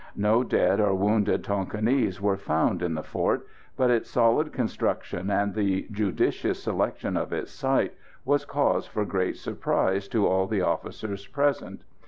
No dead or wounded Tonquinese were found in the fort, but its solid construction and the judicious selection of its site was cause for great surprise to all the officers present.